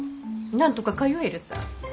なんとか通えるさ。